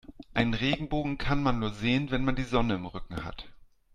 Einen Regenbogen kann man nur sehen, wenn man die Sonne im Rücken hat.